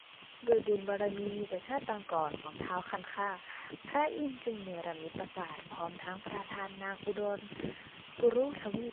ด้วยบุญบารมีแต่ชาติปางก่อนของท้าวคันคาก พระอินทร์จึงเนรมิตปราสาทพร้อมทั้งประทานนางอุดรกุรุทวีป